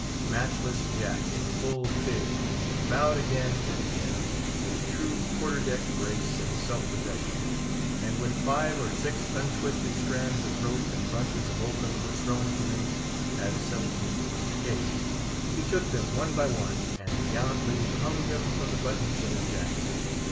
Matchless Jack, in full fig, bowed again and again, with true quarter deck grace and self possession; and when five or six untwisted strands of rope and bunches of oakum were thrown to him, as substitutes for bouquets, he took them one by one, and gallantly hung them from the buttons of his jacket.